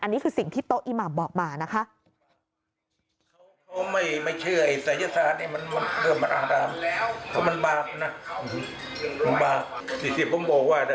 อันนี้คือสิ่งที่โต๊ะอิหม่ำบอกมานะคะ